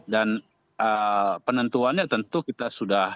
penentuannya tentu kita sudah